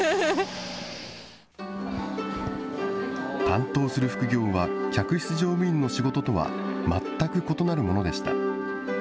担当する副業は、客室乗務員の仕事とは全く異なるものでした。